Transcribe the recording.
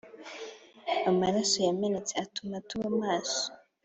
amaraso yamenetse atume tuba maso